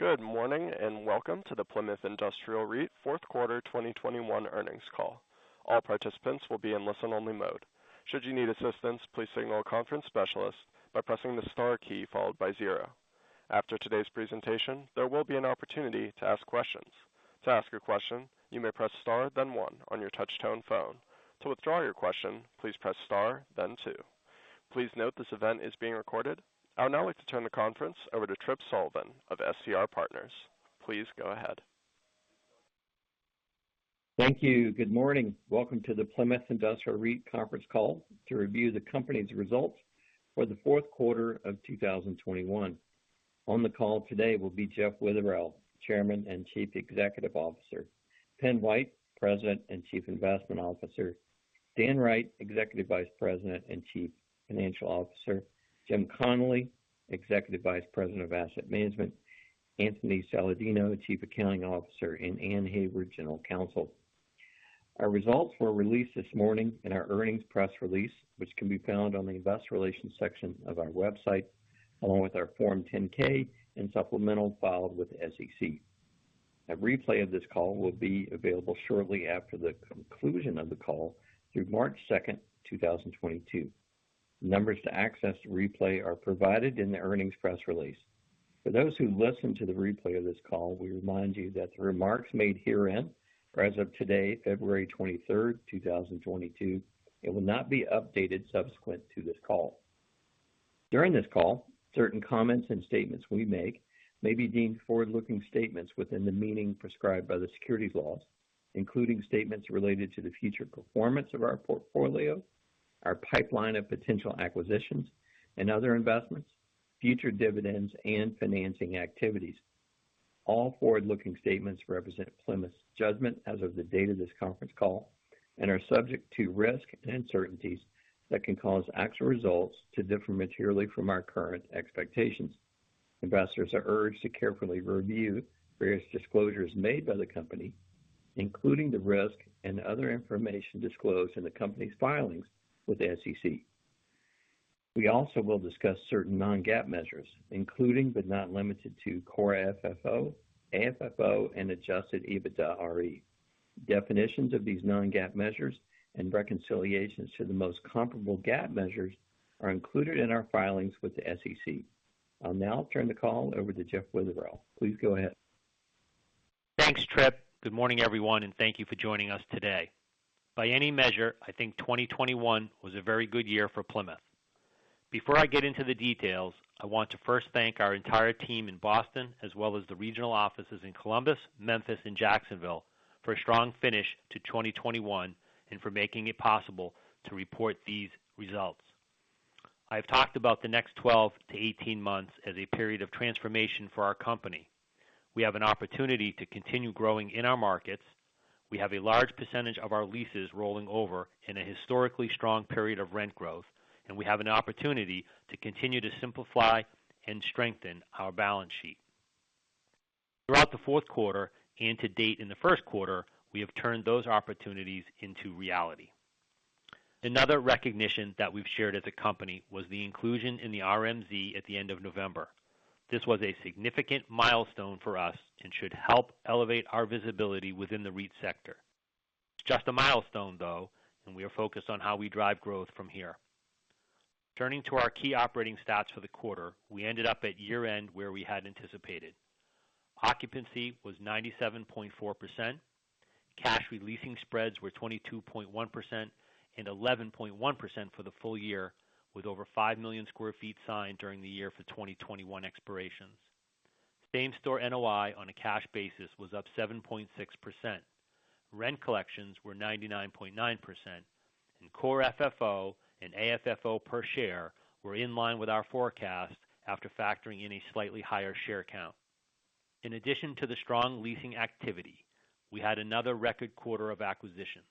Good morning, and welcome to the Plymouth Industrial REIT Q4 2021 Earnings Call. All participants will be in listen only mode. Should you need assistance, please signal a conference specialist by pressing the star key followed by zero. After today's presentation, there will be an opportunity to ask questions. To ask a question, you may press star then one on your touchtone phone. To withdraw your question, please press star then two. Please note this event is being recorded. I would now like to turn the conference over to Tripp Sullivan of SCR Partners. Please go ahead. Thank you. Good morning. Welcome to the Plymouth Industrial REIT conference call to review the company's results for the Q4 of 2021. On the call today will be Jeffrey E. Witherell, Chairman and Chief Executive Officer, Pendleton White, President and Chief Investment Officer, Daniel Wright, Executive Vice President and Chief Financial Officer, James Connolly, Executive Vice President of Asset Management, Anthony Saladino, Chief Accounting Officer, and Anne Alger Hayward, General Counsel. Our results were released this morning in our earnings press release, which can be found on the investor relations section of our website, along with our Form 10-K and supplementals filed with the SEC. A replay of this call will be available shortly after the conclusion of the call through March 2, 2022. The numbers to access the replay are provided in the earnings press release. For those who listen to the replay of this call, we remind you that the remarks made herein are as of today, February 23, 2022, and will not be updated subsequent to this call. During this call, certain comments and statements we make may be deemed forward-looking statements within the meaning prescribed by the securities laws, including statements related to the future performance of our portfolio, our pipeline of potential acquisitions and other investments, future dividends and financing activities. All forward-looking statements represent Plymouth's judgment as of the date of this conference call and are subject to risks and uncertainties that can cause actual results to differ materially from our current expectations. Investors are urged to carefully review various disclosures made by the company, including the risk and other information disclosed in the company's filings with the SEC. We also will discuss certain non-GAAP measures, including but not limited to Core FFO, AFFO and Adjusted EBITDAre. Definitions of these non-GAAP measures and reconciliations to the most comparable GAAP measures are included in our filings with the SEC. I'll now turn the call over to Jeffrey E. Witherell. Please go ahead. Thanks, Trip. Good morning, everyone, and thank you for joining us today. By any measure, I think 2021 was a very good year for Plymouth. Before I get into the details, I want to first thank our entire team in Boston as well as the regional offices in Columbus, Memphis and Jacksonville for a strong finish to 2021 and for making it possible to report these results. I've talked about the next 12-18 months as a period of transformation for our company. We have an opportunity to continue growing in our markets. We have a large percentage of our leases rolling over in a historically strong period of rent growth, and we have an opportunity to continue to simplify and strengthen our balance sheet. Throughout the Q4 and to date in the Q1, we have turned those opportunities into reality. Another recognition that we've shared as a company was the inclusion in the RMZ at the end of November. This was a significant milestone for us and should help elevate our visibility within the REIT sector. It's just a milestone though, and we are focused on how we drive growth from here. Turning to our key operating stats for the quarter, we ended up at year-end where we had anticipated. Occupancy was 97.4%. Cash re-leasing spreads were 22.1% and 11.1% for the full year, with over 5 million sq ft signed during the year for 2021 expirations. Same-store NOI on a cash basis was up 7.6%. Rent collections were 99.9%, and core FFO and AFFO per share were in line with our forecast after factoring in a slightly higher share count. In addition to the strong leasing activity, we had another record quarter of acquisitions.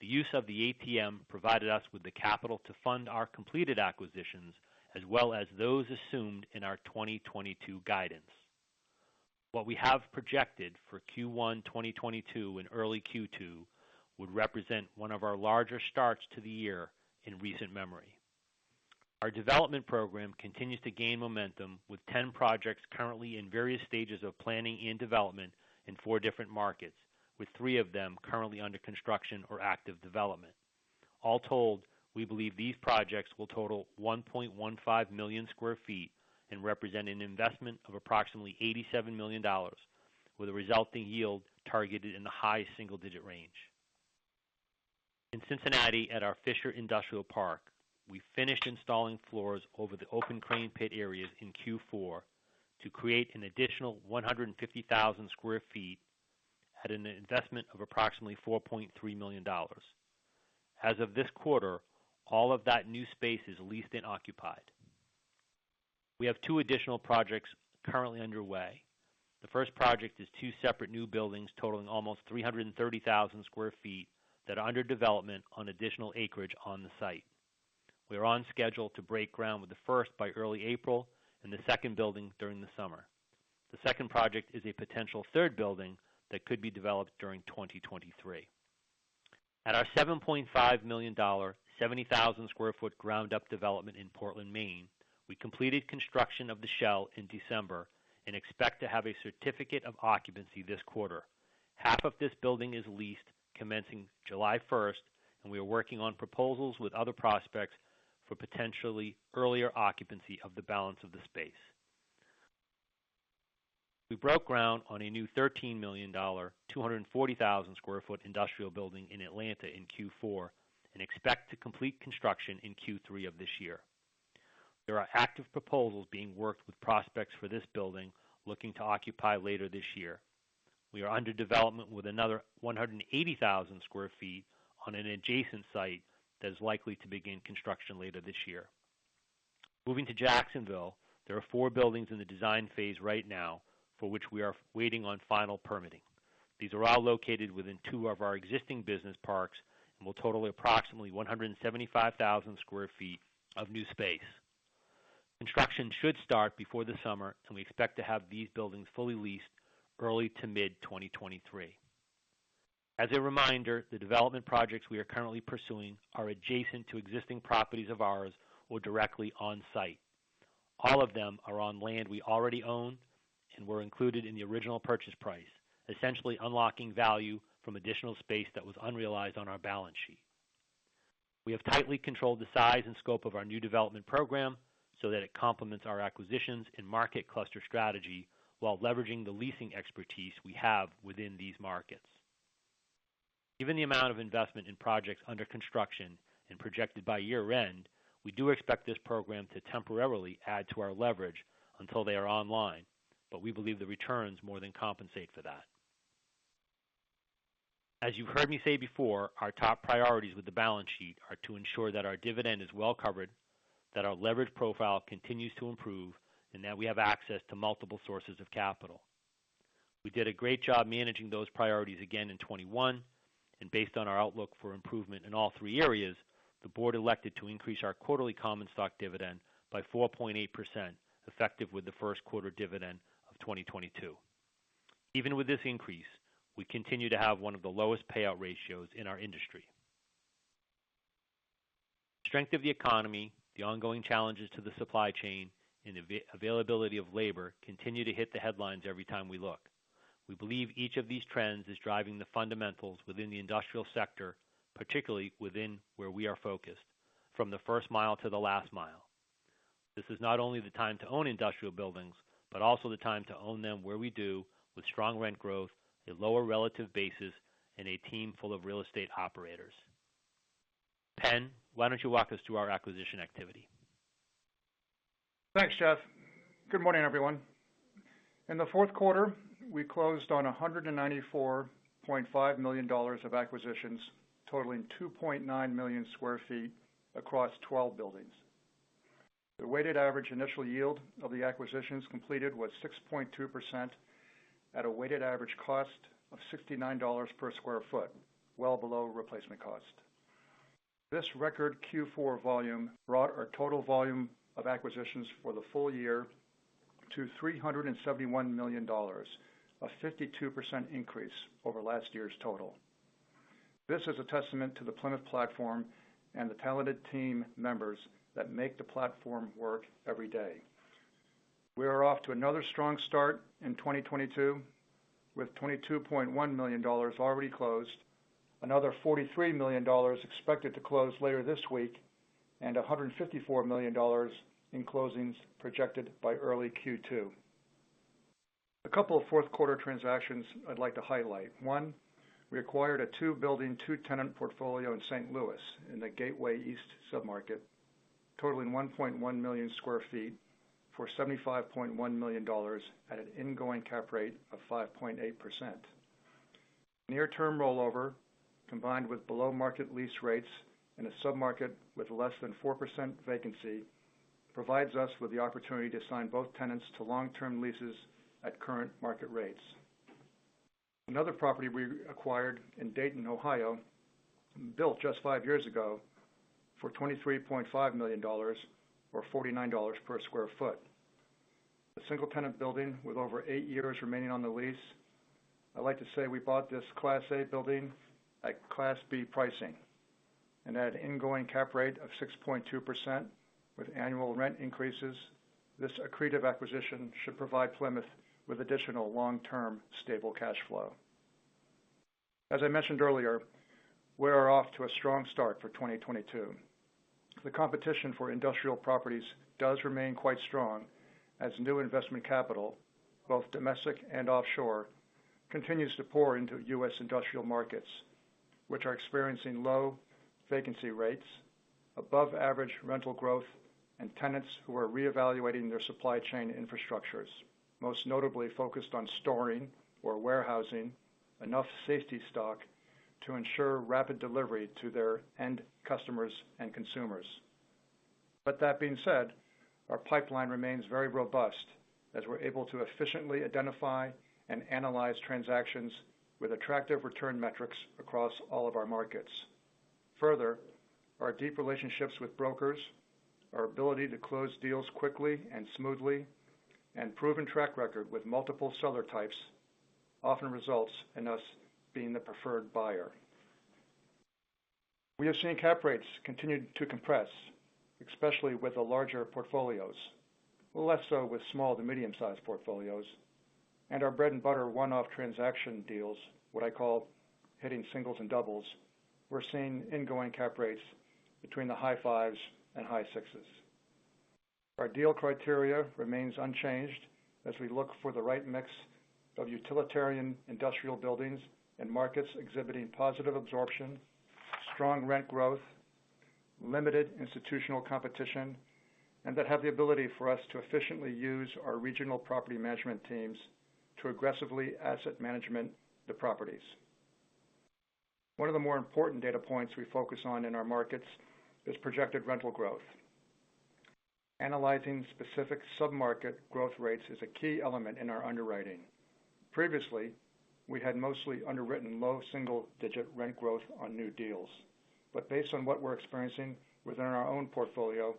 The use of the ATM provided us with the capital to fund our completed acquisitions as well as those assumed in our 2022 guidance. What we have projected for Q1 2022 and early Q2 would represent one of our larger starts to the year in recent memory. Our development program continues to gain momentum with 10 projects currently in various stages of planning and development in four different markets, with three of them currently under construction or active development. All told, we believe these projects will total 1.15 million sq ft and represent an investment of approximately $87 million with a resulting yield targeted in the high single-digit range. In Cincinnati at our Fisher Industrial Park, we finished installing floors over the open crane pit areas in Q4 to create an additional 150,000 sq ft at an investment of approximately $4.3 million. As of this quarter, all of that new space is leased and occupied. We have two additional projects currently underway. The first project is two separate new buildings totaling almost 330,000 sq ft that are under development on additional acreage on the site. We are on schedule to break ground with the first by early April and the second building during the summer. The second project is a potential third building that could be developed during 2023. At our $7.5 million, 70,000 sq ft ground-up development in Portland, Maine, we completed construction of the shell in December and expect to have a certificate of occupancy this quarter. Half of this building is leased commencing July 1, and we are working on proposals with other prospects for potentially earlier occupancy of the balance of the space. We broke ground on a new $13 million, 240,000 sq ft industrial building in Atlanta in Q4, and expect to complete construction in Q3 of this year. There are active proposals being worked with prospects for this building looking to occupy later this year. We are under development with another 180,000 sq ft on an adjacent site that is likely to begin construction later this year. Moving to Jacksonville, there are four buildings in the design phase right now for which we are waiting on final permitting. These are all located within two of our existing business parks and will total approximately 175,000 sq ft of new space. Construction should start before the summer, and we expect to have these buildings fully leased early to mid-2023. As a reminder, the development projects we are currently pursuing are adjacent to existing properties of ours or directly on site. All of them are on land we already own and were included in the original purchase price, essentially unlocking value from additional space that was unrealized on our balance sheet. We have tightly controlled the size and scope of our new development program so that it complements our acquisitions and market cluster strategy while leveraging the leasing expertise we have within these markets. Given the amount of investment in projects under construction and projected by year-end, we do expect this program to temporarily add to our leverage until they are online, but we believe the returns more than compensate for that. As you've heard me say before, our top priorities with the balance sheet are to ensure that our dividend is well covered, that our leverage profile continues to improve, and that we have access to multiple sources of capital. We did a great job managing those priorities again in 2021, and based on our outlook for improvement in all three areas, the board elected to increase our quarterly common stock dividend by 4.8%, effective with the Q1 dividend of 2022. Even with this increase, we continue to have one of the lowest payout ratios in our industry. The strength of the economy, the ongoing challenges to the supply chain, and availability of labor continue to hit the headlines every time we look. We believe each of these trends is driving the fundamentals within the industrial sector, particularly within where we are focused from the first mile to the last mile. This is not only the time to own industrial buildings, but also the time to own them where we do with strong rent growth, a lower relative basis, and a team full of real estate operators. Pen, why don't you walk us through our acquisition activity? Thanks, Jeff. Good morning, everyone. In the Q4, we closed on $194.5 million of acquisitions, totaling 2.9 million sq ft across 12 buildings. The weighted average initial yield of the acquisitions completed was 6.2% at a weighted average cost of $69 per sq ft, well below replacement cost. This record Q4 volume brought our total volume of acquisitions for the full year to $371 million, a 52% increase over last year's total. This is a testament to the Plymouth platform and the talented team members that make the platform work every day. We are off to another strong start in 2022 with $22.1 million already closed, another $43 million expected to close later this week, and $154 million in closings projected by early Q2. A couple of Q4 transactions I'd like to highlight. One, we acquired a 2-building, 2-tenant portfolio in St. Louis in the Gateway East sub-market, totaling 1.1 million sq ft for $75.1 million at an ingoing cap rate of 5.8%. Near-term rollover, combined with below market lease rates in a sub-market with less than 4% vacancy, provides us with the opportunity to sign both tenants to long-term leases at current market rates. Another property we acquired in Dayton, Ohio, built just five years ago for $23.5 million or $49 per sq ft. A single tenant building with over eight years remaining on the lease. I'd like to say we bought this class A building at class B pricing at a going-in cap rate of 6.2% with annual rent increases. This accretive acquisition should provide Plymouth with additional long-term, stable cash flow. As I mentioned earlier, we are off to a strong start for 2022. The competition for industrial properties does remain quite strong as new investment capital, both domestic and offshore, continues to pour into U.S. industrial markets, which are experiencing low vacancy rates, above average rental growth, and tenants who are reevaluating their supply chain infrastructures, most notably focused on storing or warehousing enough safety stock to ensure rapid delivery to their end customers and consumers. That being said, our pipeline remains very robust as we're able to efficiently identify and analyze transactions with attractive return metrics across all of our markets. Further, our deep relationships with brokers, our ability to close deals quickly and smoothly, and proven track record with multiple seller types often results in us being the preferred buyer. We have seen cap rates continue to compress, especially with the larger portfolios, less so with small to medium-sized portfolios, and our bread-and-butter one-off transaction deals, what I call hitting singles and doubles. We're seeing ingoing cap rates between the high fives and high sixes. Our deal criteria remains unchanged as we look for the right mix of utilitarian industrial buildings and markets exhibiting positive absorption, strong rent growth, limited institutional competition, and that have the ability for us to efficiently use our regional property management teams to aggressively asset management the properties. One of the more important data points we focus on in our markets is projected rental growth. Analyzing specific sub-market growth rates is a key element in our underwriting. Previously, we had mostly underwritten low single-digit rent growth on new deals. Based on what we're experiencing within our own portfolio,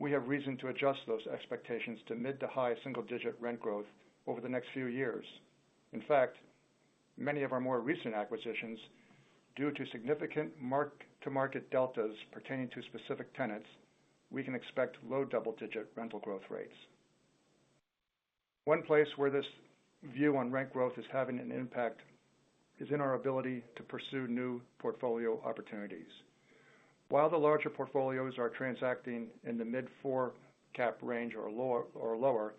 we have reason to adjust those expectations to mid- to high single-digit rent growth over the next few years. In fact, many of our more recent acquisitions, due to significant mark-to-market deltas pertaining to specific tenants, we can expect low double-digit rental growth rates. One place where this view on rent growth is having an impact is in our ability to pursue new portfolio opportunities. While the larger portfolios are transacting in the mid-four cap range or lower,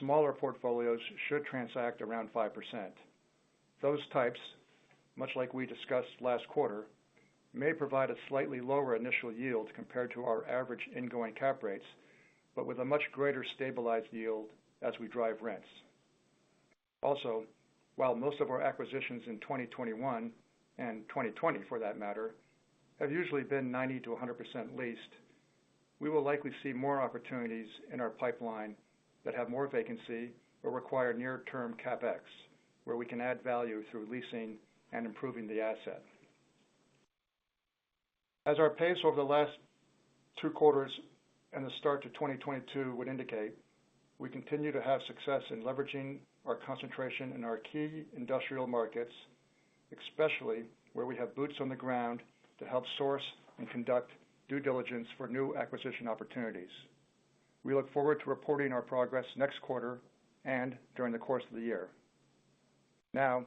smaller portfolios should transact around 5%. Those types, much like we discussed last quarter, may provide a slightly lower initial yield compared to our average ingoing cap rates, but with a much greater stabilized yield as we drive rents. Also, while most of our acquisitions in 2021, and 2020 for that matter, have usually been 90%-100% leased, we will likely see more opportunities in our pipeline that have more vacancy or require near-term CapEx, where we can add value through leasing and improving the asset. As our pace over the last two quarters and the start to 2022 would indicate, we continue to have success in leveraging our concentration in our key industrial markets, especially where we have boots on the ground to help source and conduct due diligence for new acquisition opportunities. We look forward to reporting our progress next quarter and during the course of the year. Now,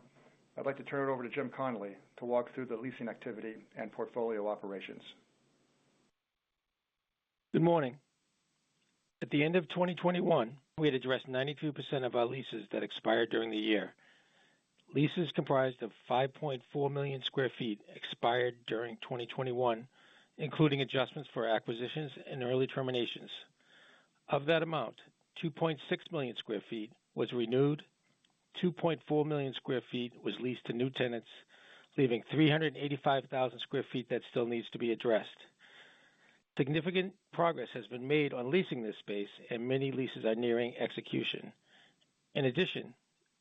I'd like to turn it over to Jim Connolly to walk through the leasing activity and portfolio operations. Good morning. At the end of 2021, we had addressed 92% of our leases that expired during the year. Leases comprised of 5.4 million sq ft expired during 2021, including adjustments for acquisitions and early terminations. Of that amount, 2.6 million sq ft was renewed, 2.4 million sq ft was leased to new tenants, leaving 385,000 sq ft that still needs to be addressed. Significant progress has been made on leasing this space, and many leases are nearing execution. In addition,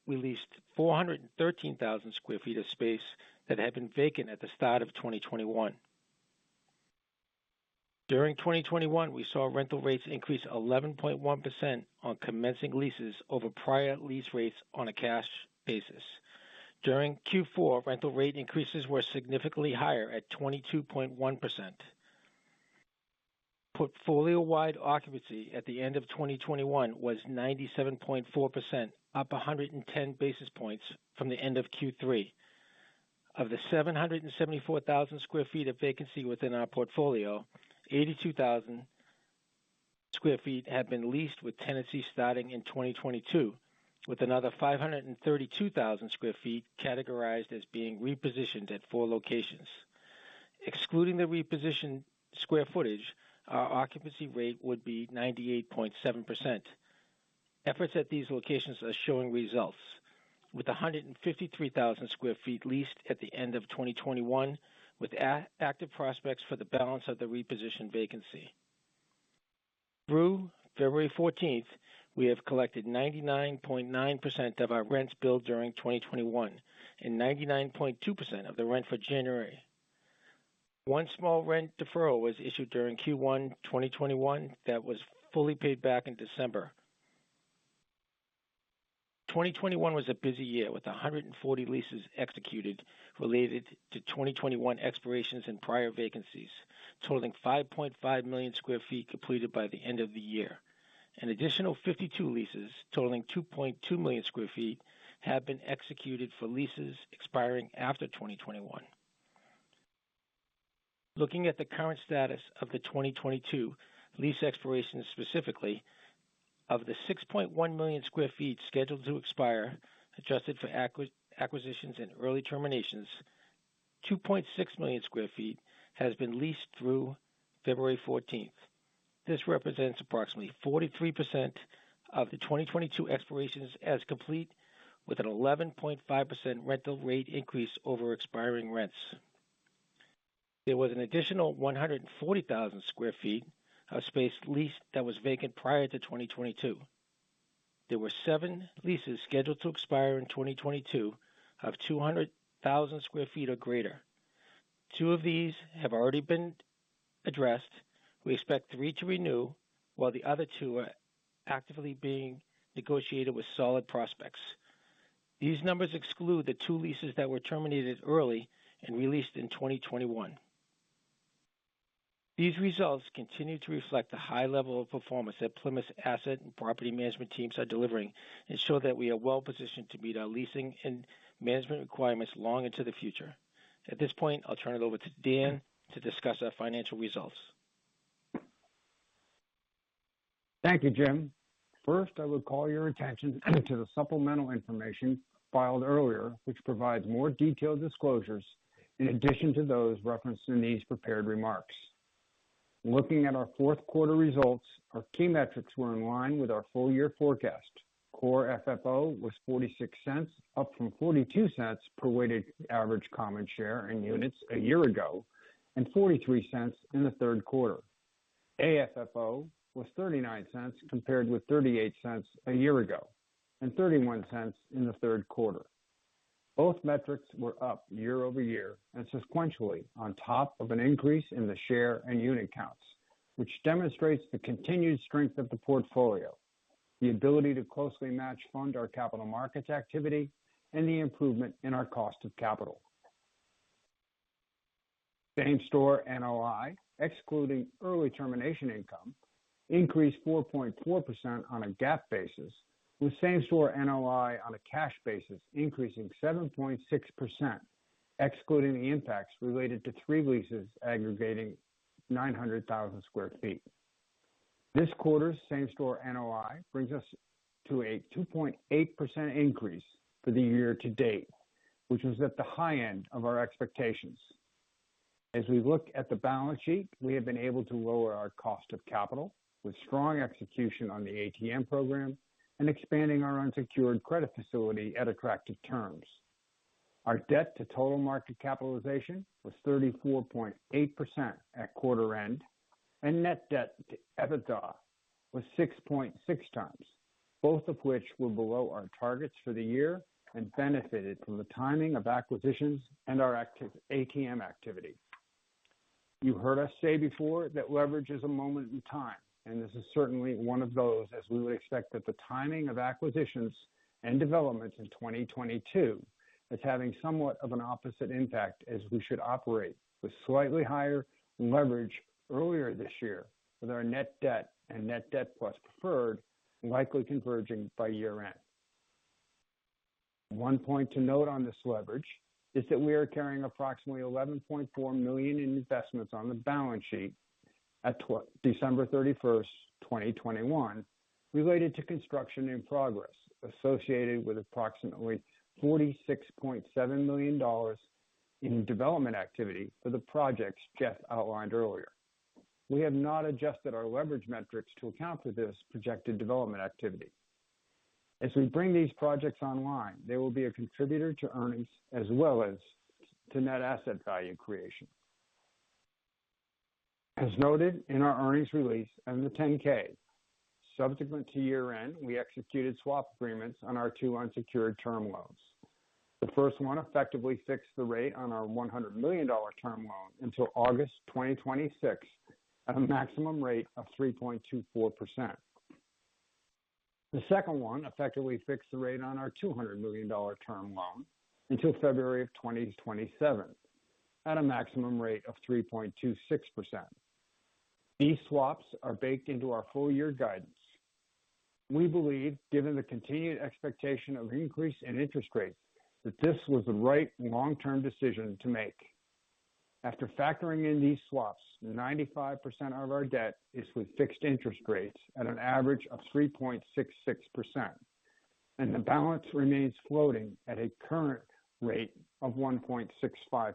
we leased 413,000 sq ft of space that had been vacant at the start of 2021. During 2021, we saw rental rates increase 11.1% on commencing leases over prior lease rates on a cash basis. During Q4, rental rate increases were significantly higher at 22.1%. Portfolio-wide occupancy at the end of 2021 was 97.4%, up 110 basis points from the end of Q3. Of the 774,000 sq ft of vacancy within our portfolio, 82,000 sq ft have been leased with tenancy starting in 2022, with another 532,000 sq ft categorized as being repositioned at four locations. Excluding the repositioned square footage, our occupancy rate would be 98.7%. Efforts at these locations are showing results, with 153,000 sq ft leased at the end of 2021, with active prospects for the balance of the repositioned vacancy. Through February fourteenth, we have collected 99.9% of our rents billed during 2021 and 99.2% of the rent for January. One small rent deferral was issued during Q1 2021 that was fully paid back in December. 2021 was a busy year, with 140 leases executed related to 2021 expirations and prior vacancies, totaling 5.5 million sq ft completed by the end of the year. An additional 52 leases totaling 2.2 million sq ft have been executed for leases expiring after 2021. Looking at the current status of the 2022 lease expirations specifically, of the 6.1 million sq ft scheduled to expire, adjusted for acquisitions and early terminations, 2.6 million sq ft has been leased through February fourteenth. This represents approximately 43% of the 2022 expirations as complete, with an 11.5% rental rate increase over expiring rents. There was an additional 140,000 sq ft of space leased that was vacant prior to 2022. There were seven leases scheduled to expire in 2022 of 200,000 sq ft or greater. Two of these have already been addressed. We expect three to renew, while the other two are actively being negotiated with solid prospects. These numbers exclude the two leases that were terminated early and re-leased in 2021. These results continue to reflect the high level of performance that Plymouth's asset and property management teams are delivering and show that we are well-positioned to meet our leasing and management requirements long into the future. At this point, I'll turn it over to Dan to discuss our financial results. Thank you, Jim. First, I will call your attention to the supplemental information filed earlier, which provides more detailed disclosures in addition to those referenced in these prepared remarks. Looking at our Q4 results, our key metrics were in line with our full year forecast. Core FFO was $0.46, up from $0.42 per weighted average common shares and units a year ago, and $0.43 in the Q3. AFFO was $0.39 compared with $0.38 a year ago and $0.31 in the Q3. Both metrics were up year-over-year and sequentially on top of an increase in the share and unit counts, which demonstrates the continued strength of the portfolio, the ability to closely match fund our capital markets activity, and the improvement in our cost of capital. Same-store NOI, excluding early termination income, increased 4.4% on a GAAP basis, with same-store NOI on a cash basis increasing 7.6%, excluding the impacts related to three leases aggregating 900,000 sq ft. This quarter's same-store NOI brings us to a 2.8% increase for the year to date, which was at the high end of our expectations. As we look at the balance sheet, we have been able to lower our cost of capital with strong execution on the ATM program and expanding our unsecured credit facility at attractive terms. Our debt to total market capitalization was 34.8% at quarter end, and net debt to EBITDA was 6.6x, both of which were below our targets for the year and benefited from the timing of acquisitions and our active ATM activity. You heard us say before that leverage is a moment in time, and this is certainly one of those, as we would expect that the timing of acquisitions and developments in 2022 is having somewhat of an opposite impact as we should operate with slightly higher leverage earlier this year with our net debt and net debt plus preferred likely converging by year-end. One point to note on this leverage is that we are carrying approximately $11.4 million in investments on the balance sheet at December 31, 2021, related to construction in progress associated with approximately $46.7 million in development activity for the projects Jeff outlined earlier. We have not adjusted our leverage metrics to account for this projected development activity. As we bring these projects online, they will be a contributor to earnings as well as to net asset value creation. As noted in our earnings release and the 10-K, subsequent to year-end, we executed swap agreements on our two unsecured term loans. The first one effectively fixed the rate on our $100 million term loan until August 2026 at a maximum rate of 3.24%. The second one effectively fixed the rate on our $200 million term loan until February 2027 at a maximum rate of 3.26%. These swaps are baked into our full year guidance. We believe, given the continued expectation of increase in interest rates, that this was the right long-term decision to make. After factoring in these swaps, 95% of our debt is with fixed interest rates at an average of 3.66%, and the balance remains floating at a current rate of 1.65%.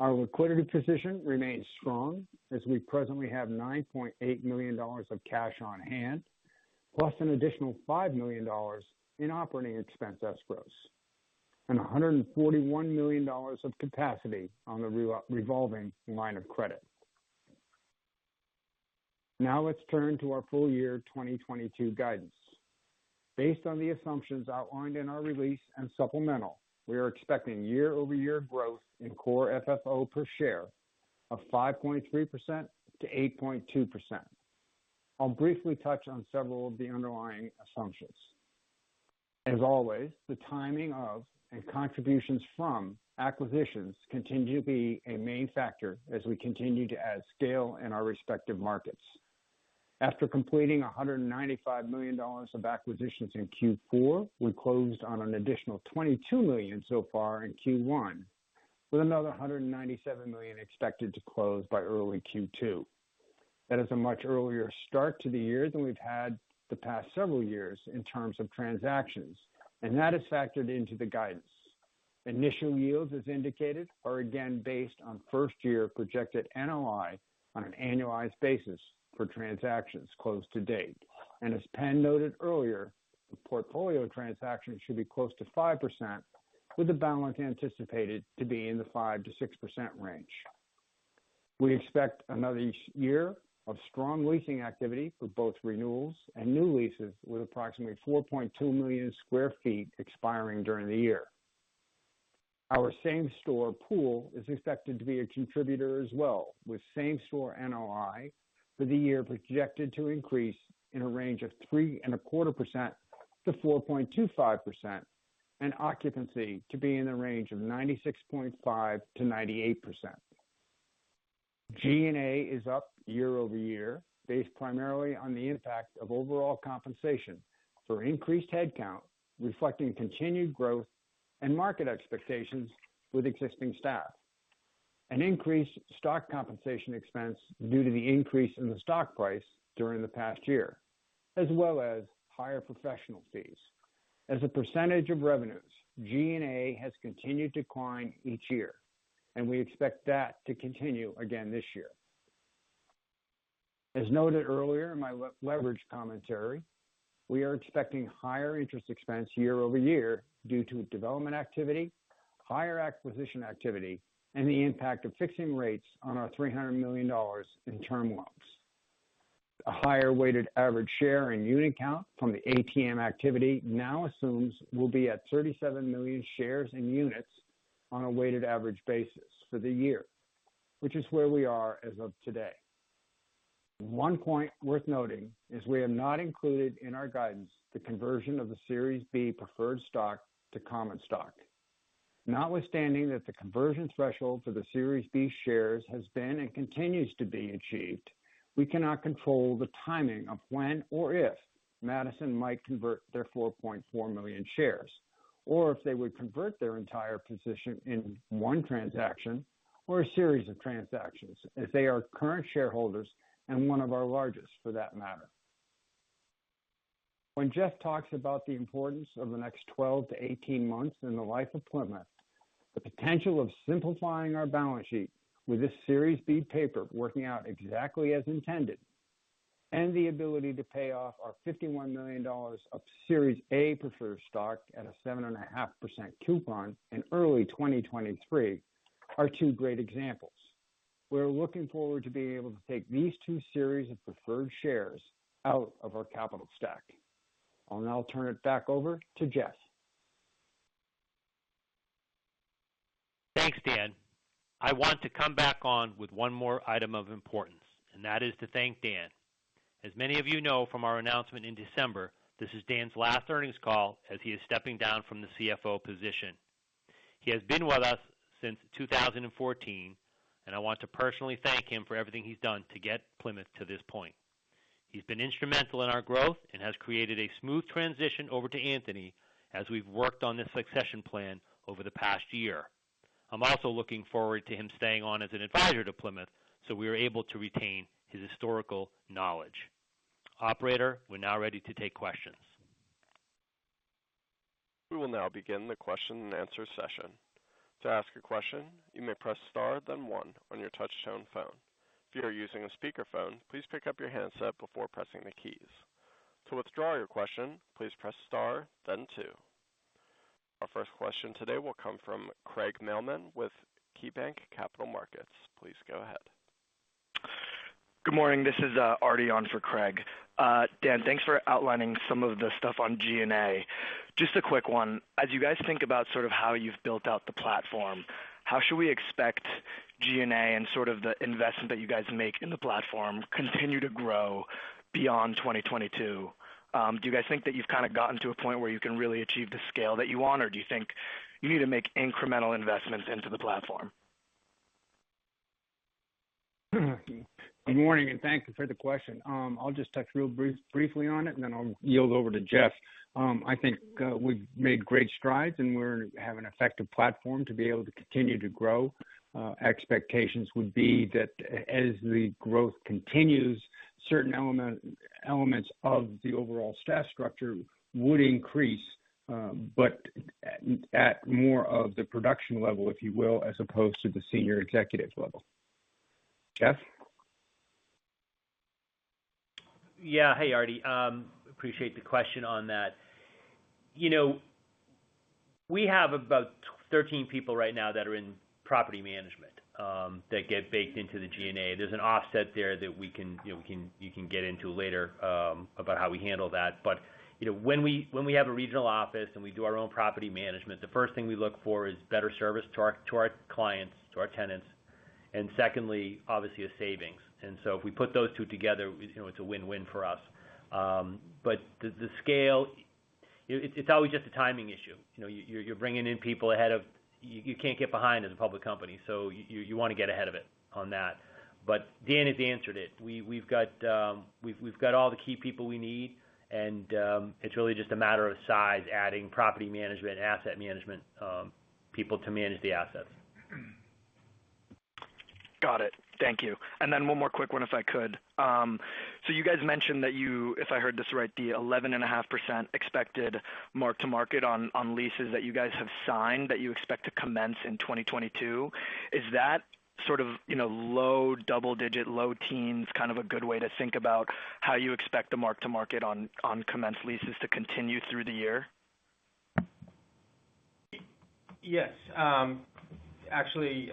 Our liquidity position remains strong as we presently have $9.8 million of cash on hand, plus an additional $5 million in operating expense escrows and $141 million of capacity on the revolving line of credit. Now let's turn to our full year 2022 guidance. Based on the assumptions outlined in our release and supplemental, we are expecting year-over-year growth in Core FFO per share of 5.3%-8.2%. I'll briefly touch on several of the underlying assumptions. As always, the timing of and contributions from acquisitions continue to be a main factor as we continue to add scale in our respective markets. After completing $195 million of acquisitions in Q4, we closed on an additional $22 million so far in Q1, with another $197 million expected to close by early Q2. That is a much earlier start to the year than we've had the past several years in terms of transactions, and that is factored into the guidance. Initial yields, as indicated, are again based on first-year projected NOI on an annualized basis for transactions closed to date. As Ken noted earlier, the portfolio transactions should be close to 5%, with the balance anticipated to be in the 5%-6% range. We expect another year of strong leasing activity for both renewals and new leases, with approximately 4.2 million sq ft expiring during the year. Our same-store pool is expected to be a contributor as well, with same-store NOI for the year projected to increase in a range of 3.25%-4.25% and occupancy to be in the range of 96.5%-98%. G&A is up year-over-year, based primarily on the impact of overall compensation for increased headcount, reflecting continued growth and market expectations with existing staff, an increased stock compensation expense due to the increase in the stock price during the past year, as well as higher professional fees. As a percentage of revenues, G&A has continued to decline each year, and we expect that to continue again this year. As noted earlier in my leverage commentary, we are expecting higher interest expense year-over-year due to development activity, higher acquisition activity, and the impact of fixing rates on our $300 million in term loans. A higher weighted average share and unit count from the ATM activity now assumes we'll be at 37 million shares and units on a weighted average basis for the year, which is where we are as of today. One point worth noting is we have not included in our guidance the conversion of the Series B Preferred Stock to common stock. Notwithstanding that the conversion threshold for the Series B shares has been and continues to be achieved, we cannot control the timing of when or if Madison might convert their 4.4 million shares, or if they would convert their entire position in one transaction or a series of transactions as they are current shareholders and one of our largest for that matter. When Jeff talks about the importance of the next 12-18 months in the life of Plymouth, the potential of simplifying our balance sheet with this Series B paper working out exactly as intended, and the ability to pay off our $51 million of Series A preferred stock at a 7.5% coupon in early 2023 are two great examples. We're looking forward to being able to take these two series of preferred shares out of our capital stack. I'll now turn it back over to Jeff. Thanks, Dan. I want to come back on with one more item of importance, and that is to thank Dan. As many of you know from our announcement in December, this is Dan's last earnings call as he is stepping down from the CFO position. He has been with us since 2014, and I want to personally thank him for everything he's done to get Plymouth to this point. He's been instrumental in our growth and has created a smooth transition over to Anthony as we've worked on this succession plan over the past year. I'm also looking forward to him staying on as an advisor to Plymouth, so we are able to retain his historical knowledge. Operator, we're now ready to take questions. We will now begin the question-and-answer session. To ask a question, you may press star, then one on your touch tone phone. If you are using a speakerphone, please pick up your handset before pressing the keys. To withdraw your question, please press star, then two. Our first question today will come from Craig Mailman with KeyBanc Capital Markets. Please go ahead. Good morning. This is Arty on for Craig. Dan, thanks for outlining some of the stuff on G&A. Just a quick one. As you guys think about sort of how you've built out the platform, how should we expect G&A and sort of the investment that you guys make in the platform continue to grow beyond 2022? Do you guys think that you've kind of gotten to a point where you can really achieve the scale that you want, or do you think you need to make incremental investments into the platform? Good morning, and thank you for the question. I'll just touch real briefly on it, and then I'll yield over to Jeff. I think we've made great strides, and we have an effective platform to be able to continue to grow. Expectations would be that as the growth continues, certain elements of the overall staff structure would increase, but at more of the production level, if you will, as opposed to the senior executive level. Jeff? Yeah. Hey, Arty. Appreciate the question on that. You know, we have about 13 people right now that are in property management that get baked into the G&A. There's an offset there that we can, you know, you can get into later about how we handle that. When we have a regional office and we do our own property management, the first thing we look for is better service to our clients, to our tenants, and secondly, obviously a savings. If we put those two together, you know, it's a win-win for us. The scale. It's always just a timing issue. You know, you're bringing in people ahead of. You can't get behind as a public company, so you wanna get ahead of it on that. Dan has answered it. We've got all the key people we need, and it's really just a matter of size, adding property management, asset management, people to manage the assets. Got it. Thank you. one more quick one, if I could. so you guys mentioned that. If I heard this right, the 11.5% expected mark-to-market on leases that you guys have signed that you expect to commence in 2022. Is that sort of, you know, low double digit, low teens kind of a good way to think about how you expect the mark-to-market on commenced leases to continue through the year? Yes. Actually,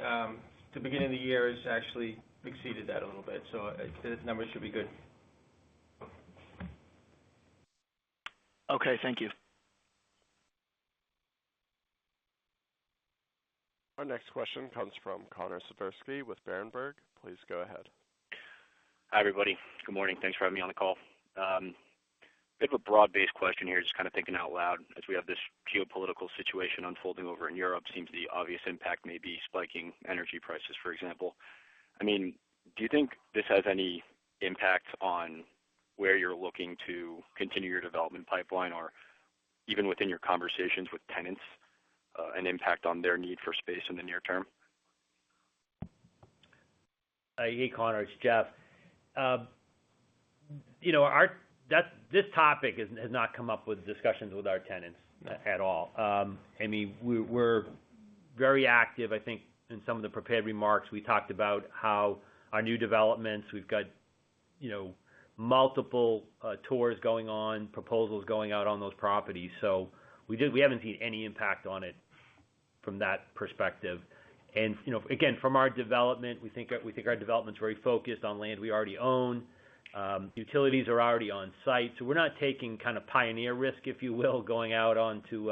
the beginning of the year has actually exceeded that a little bit, so the numbers should be good. Okay. Thank you. Our next question comes from Connor Siversky with Berenberg. Please go ahead. Hi, everybody. Good morning. Thanks for having me on the call. Bit of a broad-based question here, just kind of thinking out loud as we have this geopolitical situation unfolding over in Europe. Seems the obvious impact may be spiking energy prices, for example. I mean, do you think this has any impact on where you're looking to continue your development pipeline or even within your conversations with tenants, an impact on their need for space in the near term? Hey, Connor, it's Jeff. You know, this topic has not come up in discussions with our tenants at all. I mean, we're very active. I think in some of the prepared remarks, we talked about how our new developments, we've got, you know, multiple tours going on, proposals going out on those properties. So we haven't seen any impact on it from that perspective. You know, again, from our development, we think our development's very focused on land we already own. Utilities are already on site, so we're not taking kind of pioneer risk, if you will, going out onto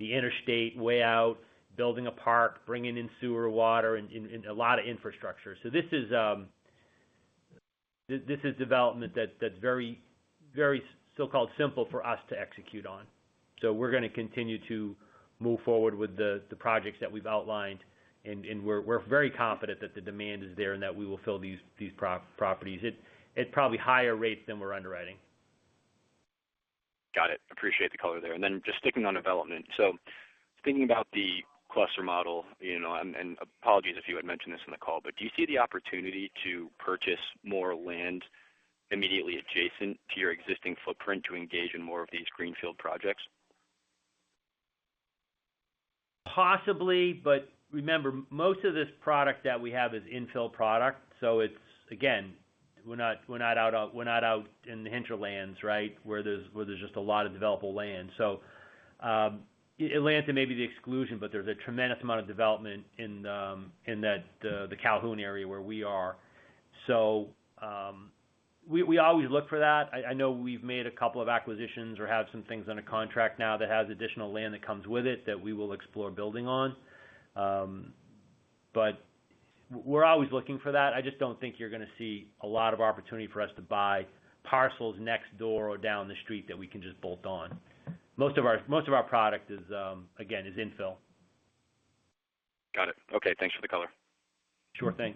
the interstate, way out, building a park, bringing in sewer, water, and a lot of infrastructure. This is development that's very so-called simple for us to execute on. We're gonna continue to move forward with the projects that we've outlined, and we're very confident that the demand is there and that we will fill these properties at probably higher rates than we're underwriting. Got it. Appreciate the color there. Just sticking on development. Thinking about the cluster model, you know, and apologies if you had mentioned this in the call, but do you see the opportunity to purchase more land immediately adjacent to your existing footprint to engage in more of these greenfield projects? Possibly, but remember, most of this product that we have is infill product, so it's. Again, we're not out in the hinterlands, right? Where there's just a lot of developable land. Atlanta may be the exception, but there's a tremendous amount of development in the Calhoun area where we are. We always look for that. I know we've made a couple of acquisitions or have some things under contract now that has additional land that comes with it that we will explore building on. We're always looking for that. I just don't think you're gonna see a lot of opportunity for us to buy parcels next door or down the street that we can just bolt on. Most of our product is, again, infill. Got it. Okay. Thanks for the color. Sure thing.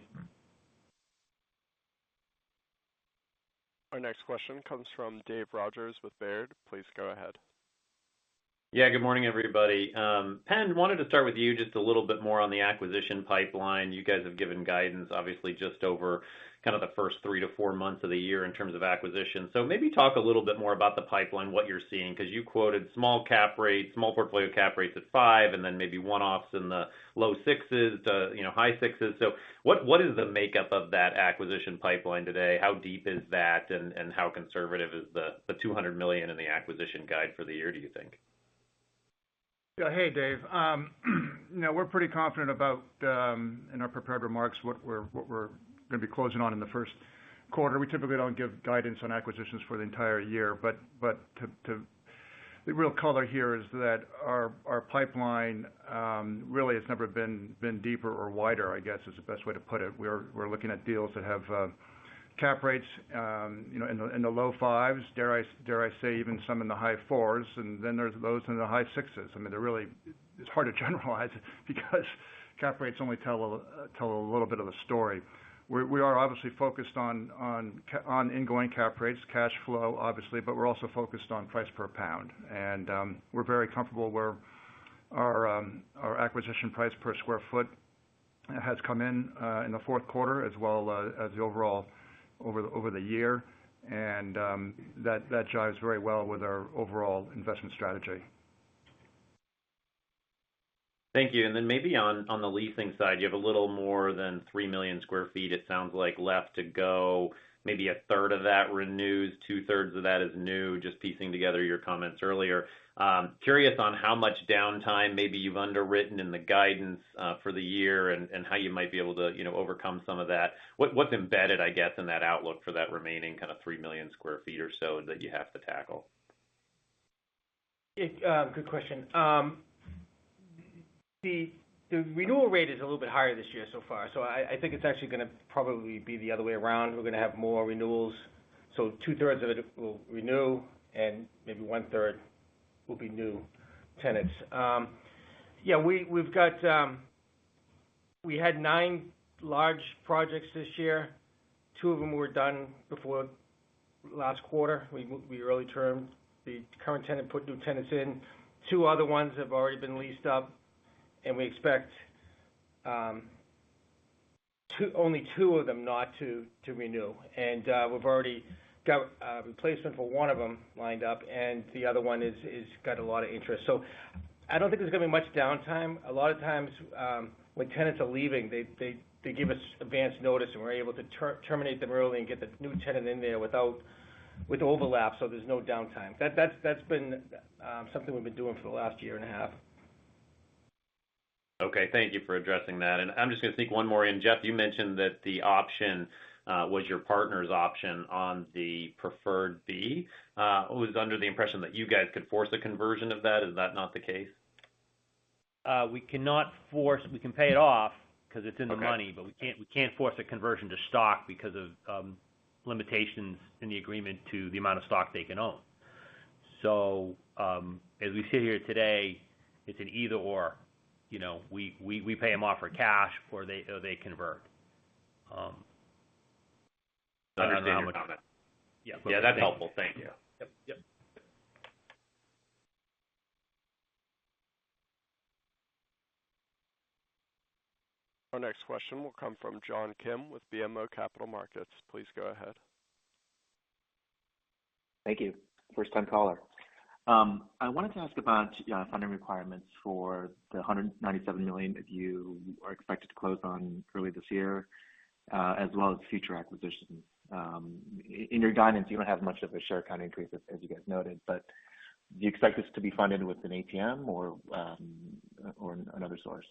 Our next question comes from David Rodgers with Baird. Please go ahead. Yeah, good morning, everybody. Penn, I wanted to start with you just a little bit more on the acquisition pipeline. You guys have given guidance, obviously, just over kind of the first three to four months of the year in terms of acquisition. Maybe talk a little bit more about the pipeline, what you're seeing. 'Cause you quoted small cap rates, small portfolio cap rates at 5%, and then maybe one-offs in the low 6s to, you know, high 6s. What is the makeup of that acquisition pipeline today? How deep is that, and how conservative is the $200 million in the acquisition guide for the year, do you think? Yeah. Hey, Dave. You know, we're pretty confident about in our prepared remarks what we're gonna be closing on in the Q1. We typically don't give guidance on acquisitions for the entire year. The real color here is that our pipeline really has never been deeper or wider, I guess, is the best way to put it. We're looking at deals that have cap rates, you know, in the low fives. Dare I say, even some in the high fours, and then there's those in the high sixes. I mean, it's hard to generalize because cap rates only tell a little bit of the story. We are obviously focused on ongoing cap rates, cash flow, obviously, but we are also focused on price per sq ft. We are very comfortable where our acquisition price per sq ft has come in in the Q4 as well as the overall over the year. That jives very well with our overall investment strategy. Thank you. Maybe on the leasing side, you have a little more than 3 million sq ft, it sounds like, left to go. Maybe a third of that renewed, two-thirds of that is new, just piecing together your comments earlier. Curious on how much downtime maybe you've underwritten in the guidance for the year and how you might be able to, you know, overcome some of that. What's embedded, I guess, in that outlook for that remaining kind of 3 million sq ft or so that you have to tackle? It's a good question. The renewal rate is a little bit higher this year so far, so I think it's actually gonna probably be the other way around. We're gonna have more renewals. Two-thirds of it we'll renew and maybe one-third will be new tenants. Yeah, we've got. We had nine large projects this year, two of them were done before last quarter. We early termed the current tenant, put new tenants in two other ones have already been leased up, and we expect only two of them not to renew. We've already got a replacement for one of them lined up, and the other one has got a lot of interest. I don't think there's gonna be much downtime. A lot of times, when tenants are leaving, they give us advance notice, and we're able to terminate them early and get the new tenant in there with overlap, so there's no downtime. That's been something we've been doing for the last year and a half. Okay, thank you for addressing that. I'm just gonna sneak one more in. Jeff, you mentioned that the option was your partner's option on the preferred B. I was under the impression that you guys could force a conversion of that. Is that not the case? We can pay it off, because it's in the money. Okay. We can't force a conversion to stock because of limitations in the agreement to the amount of stock they can own. So, as we sit here today, it's an either/or. You know? We pay them off for cash or they convert. Understood. Yeah. Yeah, that's helpful. Thank you. Yeah. Yep. Yep. Our next question will come from John Kim with BMO Capital Markets. Please go ahead. Thank you. First time caller. I wanted to ask about funding requirements for the $197 million that you are expected to close on early this year, as well as future acquisitions. In your guidance, you don't have much of a share count increase, as you guys noted, but do you expect this to be funded with an ATM or another source?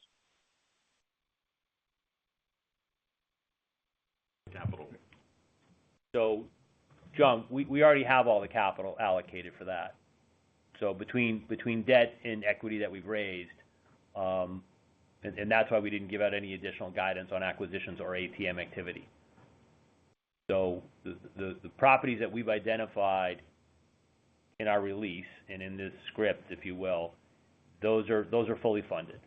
John, we already have all the capital allocated for that. Between debt and equity that we've raised, and that's why we didn't give out any additional guidance on acquisitions or ATM activity. The properties that we've identified in our release and in this script, if you will, those are fully funded.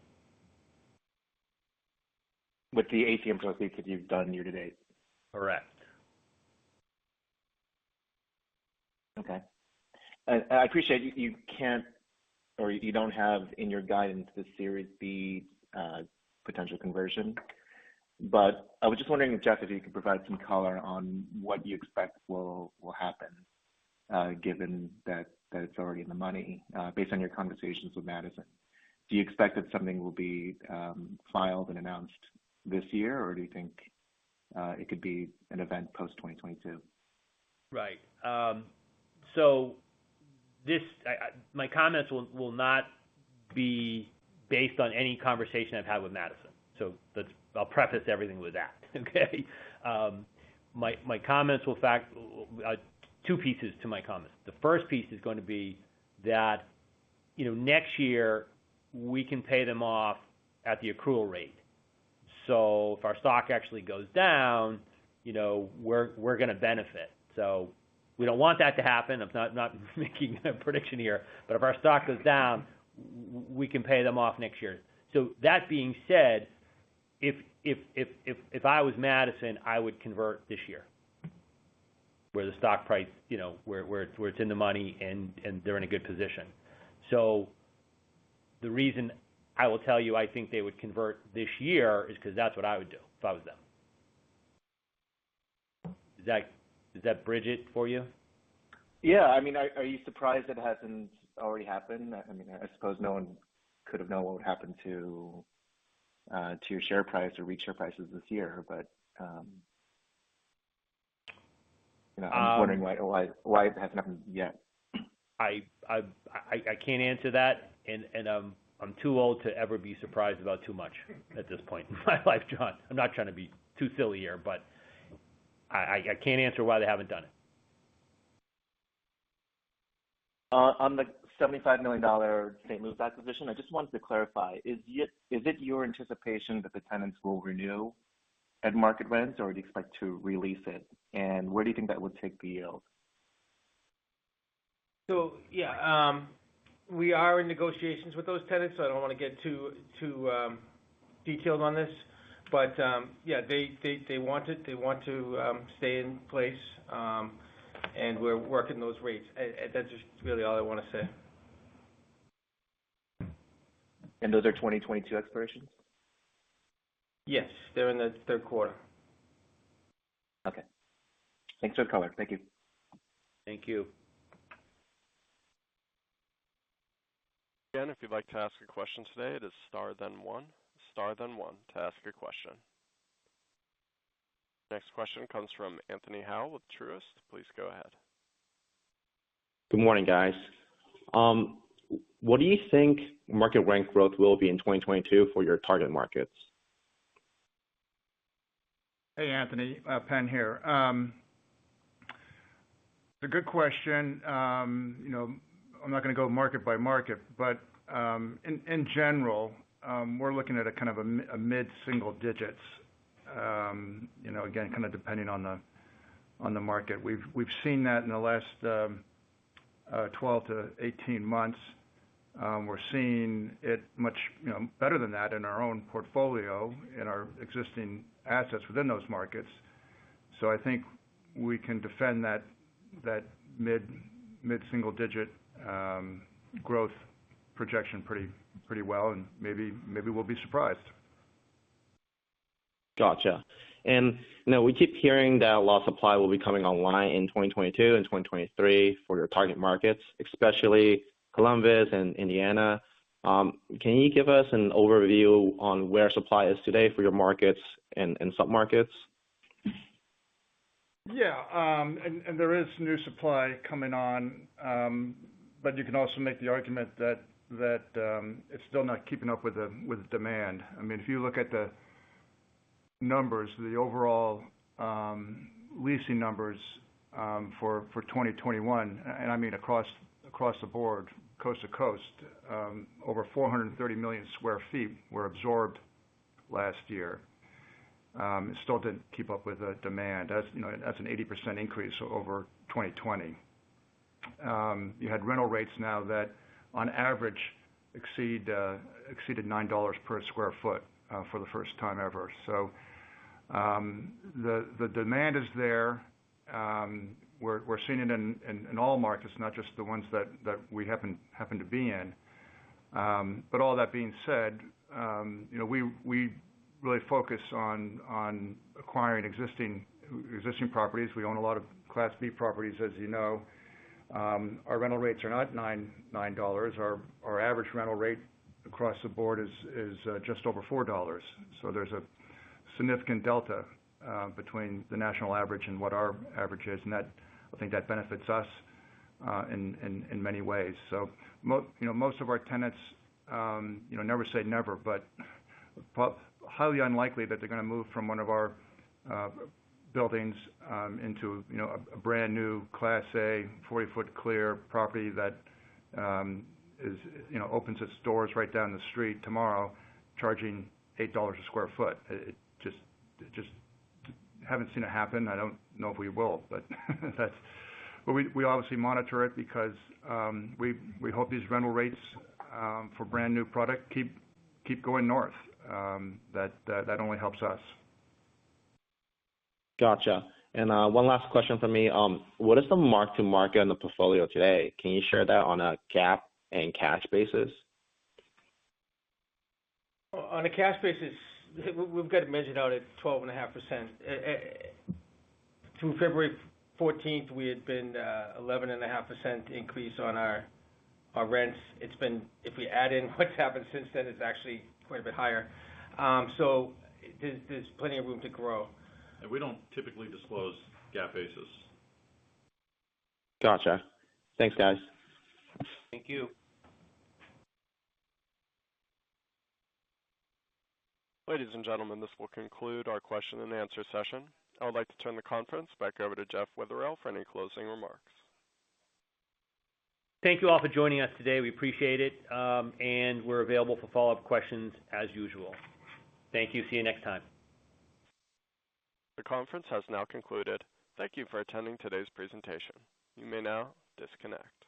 With the ATM proceeds that you've done year to date? Correct. Okay. I appreciate you can't, or you don't have in your guidance the Series B potential conversion. I was just wondering if, Jeff, if you could provide some color on what you expect will happen, given that it's already in the money, based on your conversations with Madison. Do you expect that something will be filed and announced this year? Or do you think it could be an event post 2022? Right. My comments will not be based on any conversation I've had with Madison. I'll preface everything with that, okay? Two pieces to my comments. The first piece is gonna be that, you know, next year we can pay them off at the accrual rate. If our stock actually goes down, you know, we're gonna benefit. We don't want that to happen. I'm not making a prediction here. If our stock goes down, we can pay them off next year. That being said, if I was Madison, I would convert this year, where the stock price, you know, where it's in the money and they're in a good position. The reason I will tell you I think they would convert this year is 'cause that's what I would do if I was them. Does that bridge it for you? Yeah. I mean, are you surprised it hasn't already happened? I mean, I suppose no one could have known what would happen to your share price or REIT share prices this year. You know. Um- I'm just wondering why it hasn't happened yet. I can't answer that, and I'm too old to ever be surprised about too much at this point in my life, John. I'm not trying to be too silly here, but I can't answer why they haven't done it. On the $75 million St. Louis acquisition, I just wanted to clarify. Is it your anticipation that the tenants will renew at market rents, or do you expect to re-lease it? And where do you think that will take the yield? Yeah, we are in negotiations with those tenants, so I don't wanna get too detailed on this. Yeah, they want it. They want to stay in place, and we're working those rates. That's just really all I wanna say. Those are 2022 expirations? Yes. They're in the Q3. Okay. Thanks for the color. Thank you. Thank you. Again, if you'd like to ask a question today, it is star then one. Star then one to ask your question. Next question comes from Anthony Hau with Truist. Please go ahead. Good morning, guys. What do you think market rent growth will be in 2022 for your target markets? Hey, Anthony. Penn here. It's a good question. You know, I'm not gonna go market by market, but in general, we're looking at a kind of a mid-single digits. You know, again, kind of depending on the market. We've seen that in the last 12-18 months. We're seeing it much better than that in our own portfolio, in our existing assets within those markets. So I think we can defend that mid-single digit growth projection pretty well, and maybe we'll be surprised. Gotcha. You know, we keep hearing that a lot of supply will be coming online in 2022 and 2023 for your target markets, especially Columbus and Indianapolis. Can you give us an overview on where supply is today for your markets and submarkets? Yeah. There is new supply coming on, but you can also make the argument that it's still not keeping up with the demand. I mean, if you look at the numbers, the overall leasing numbers for 2021, and I mean across the board, coast to coast, over 430 million sq ft were absorbed last year. It still didn't keep up with the demand. That's, you know, an 80% increase over 2020. You had rental rates now that on average exceeded $9 per sq ft for the first time ever. The demand is there. We're seeing it in all markets, not just the ones that we happen to be in. All that being said, you know, we really focus on acquiring existing properties. We own a lot of Class B properties, as you know. Our rental rates are not $9. Our average rental rate across the board is just over $4. So there's a significant delta between the national average and what our average is. That benefits us in many ways. Most of our tenants, you know, never say never, but highly unlikely that they're gonna move from one of our buildings into a brand new Class A 40-foot clear property that, you know, opens its doors right down the street tomorrow, charging $8 a sq ft. I just haven't seen it happen. I don't know if we will. We obviously monitor it because we hope these rental rates for brand new product keep going north. That only helps us. Gotcha. One last question from me. What is the mark-to-market on the portfolio today? Can you share that on a GAAP and cash basis? On a cash basis, we've got it measured out at 12.5%. Through February fourteenth, we had been 11.5% increase on our rents. It's been. If we add in what's happened since then, it's actually quite a bit higher. So there's plenty of room to grow. We don't typically disclose GAAP basis. Gotcha. Thanks, guys. Thank you. Ladies and gentlemen, this will conclude our question and answer session. I would like to turn the conference back over to Jeff Witherell for any closing remarks. Thank you all for joining us today. We appreciate it. We're available for follow-up questions as usual. Thank you. See you next time. The conference has now concluded. Thank you for attending today's presentation. You may now disconnect.